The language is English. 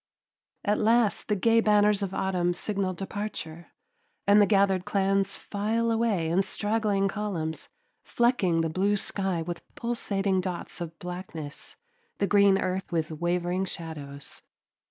At last the gay banners of autumn signal departure, and the gathered clans file away in straggling columns, flecking the blue sky with pulsating dots of blackness, the green earth with wavering shadows.